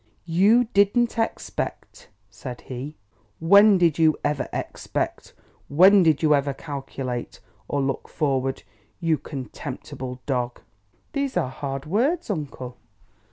"You didn't expect!" said he; "when did you ever expect? When did you ever calculate, or look forward, you contemptible dog?" "These are hard words, uncle!"